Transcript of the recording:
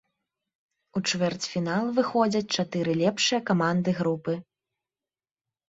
У чвэрцьфінал выходзяць чатыры лепшыя каманды групы.